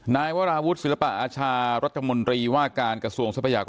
นายวราวุฒิศิลปะอาชารัฐมนตรีว่าการกระทรวงทรัพยาก